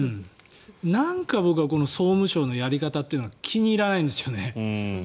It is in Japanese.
なんか僕は総務省のやり方というのは気に入らないんですよね。